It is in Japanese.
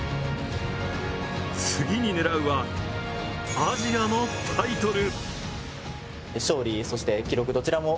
次に狙うは、アジアのタイトル。